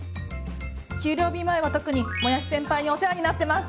給料日前は特にもやし先輩にお世話になってます！